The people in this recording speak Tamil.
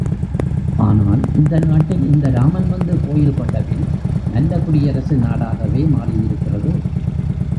ஆனால் இந்த நாட்டில் இந்த ராமன் வந்து கோயில் கொண்டபின், நல்ல குடியரசு நாடாகவே மாறியிருக்கிறது.